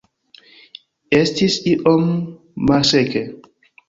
Estis iom malseke.